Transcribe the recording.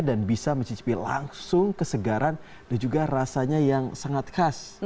dan bisa mencicipi langsung kesegaran dan juga rasanya yang sangat khas